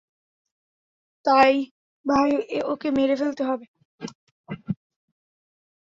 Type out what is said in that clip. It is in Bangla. ভাই, ওকে মেরে ফেলতে হবে।